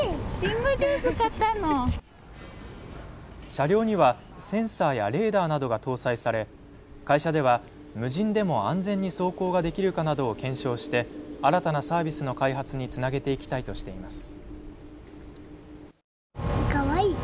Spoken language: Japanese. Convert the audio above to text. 車両にはセンサーやレーダーなどが搭載され会社では無人でも安全に走行ができるかなどを検証して新たなサービスの開発につなげていきたいとしています。